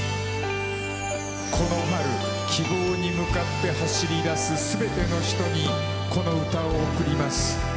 この春、希望に向かって走り出すすべての人にこの歌を贈ります。